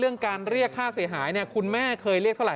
การเรียกค่าเสียหายคุณแม่เคยเรียกเท่าไ